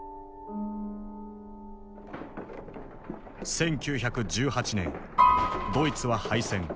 １９１８年ドイツは敗戦。